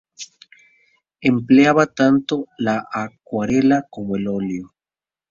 Empleaba tanto la acuarela como el óleo.